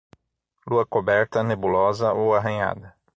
Lua coberta, nebulosa ou arranhada.